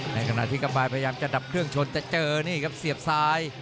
ในขณะที่กำบายพยายามจะดับเครื่องชนจะเจอนี่ครับเสียบซ้าย